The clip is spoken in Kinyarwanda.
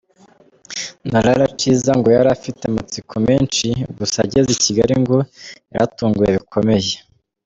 Nhlanhla Nciza ngo yari afite amatsiko menshi, gusa ageze i Kigali ngo yaratunguwe bikomeye.